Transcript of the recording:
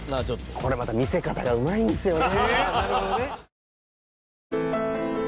これまた見せ方がうまいんですよね。